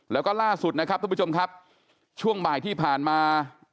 แล้วก็ล่าสุดนะครับทุกผู้ชมครับช่วงบ่ายที่ผ่านมา